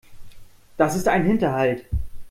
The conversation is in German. Das ist ein Hinterhalt.